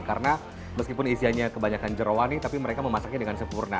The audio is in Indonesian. karena meskipun isiannya kebanyakan jerawat nih tapi mereka memasaknya dengan sempurna